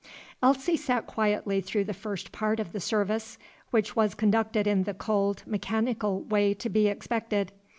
Elsie sat quietly through the first part of the service, which was conducted in the cold, mechanical way to be expected.